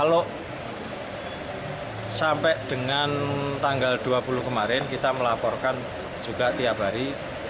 kalau sampai dengan tanggal dua puluh kemarin kita melaporkan juga tiap hari